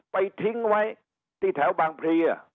ไปทิ้งไว้ที่แถวบางเพลีย